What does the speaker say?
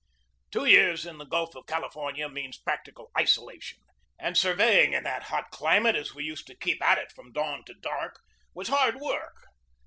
Two years in the Gulf of California means prac tical isolation; and surveying in that hot climate, as we used to keep at it from dawn to dark, was hard work.